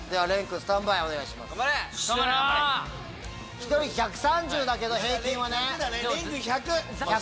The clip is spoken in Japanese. １人１３０だけど平均はね。